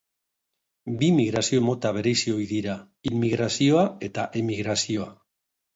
Bi migrazio mota bereizi ohi dira, immigrazioa eta emigrazioa.